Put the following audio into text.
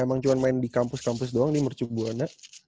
emang cuma main di kampus kampus doang di mercubuana